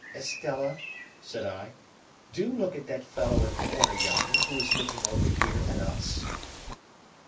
"Estella," said I, "do look at that fellow in the corner yonder, who is looking over here at us."